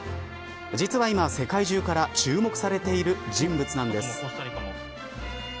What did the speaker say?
実は今、世界中から注目されている人物なんです。